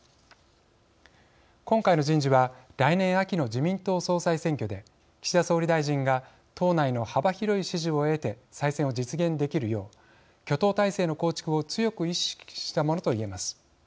今回の人事は来年秋の自民党総裁選挙で岸田総理大臣が党内の幅広い支持を得て再選を実現できるよう挙党体制の構築を強く意識したものと言えます。